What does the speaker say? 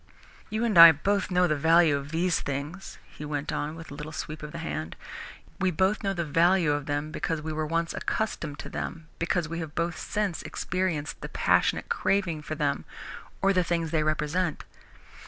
"You and I both know the value of these things," he went on, with a little sweep of the hand. "We know the value of them because we were once accustomed to them, because we have both since experienced the passionate craving for them or the things they represent.